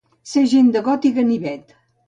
Ser gent de got i ganivet.